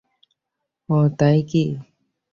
ওহ, তাই না-কি?